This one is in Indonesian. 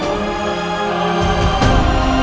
ismail menang pastinya